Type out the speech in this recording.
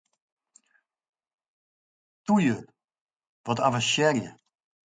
Toe ju, wat avensearje!